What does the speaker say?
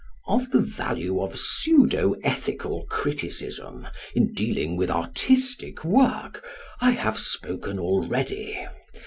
Of the value of pseudo ethical criticism; in dealing with artistic work I have spoken already.